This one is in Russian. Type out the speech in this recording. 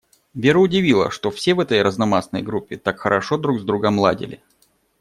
Веру удивило, что все в этой разномастной группе так хорошо друг с другом ладили.